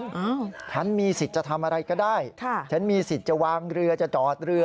อ้าวฉันมีสิทธิ์จะทำอะไรก็ได้ค่ะฉันมีสิทธิ์จะวางเรือจะจอดเรือ